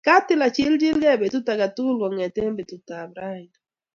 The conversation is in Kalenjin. Katil achigilgei betut age tugul kong'ete betutab raini.